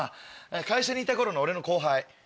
会社にいた頃の俺の後輩。